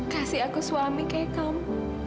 kasih aku suami kayak kaum